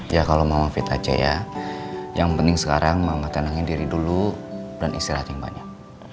ya kalau mama fit aja ya yang penting sekarang mau tenangin diri dulu dan istirahat yang banyak